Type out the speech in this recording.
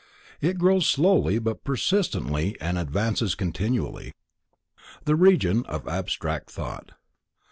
It grows slowly but persistently and advances continually. _The Region of Abstract Thought.